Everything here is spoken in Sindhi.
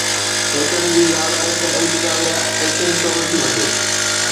سوچڻ جي ڳالهه آهي ته انتظاميه ايڪشن ڇو نٿي وٺي؟